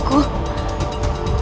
ibu naratu subanglarang